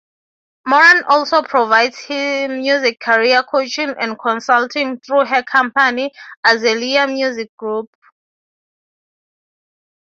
Moran also provides music career coaching and consulting through her company, Azalea Music Group.